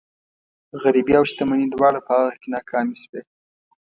غريبي او شتمني دواړه په هغه کې ناکامې شوي.